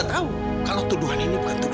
mas apa tidak cukup